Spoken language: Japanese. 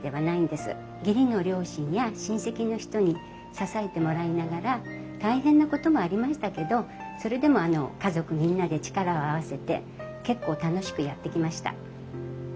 義理の両親や親戚の人に支えてもらいながら大変なこともありましたけどそれでも家族みんなで力を合わせて結構楽しくやってきました。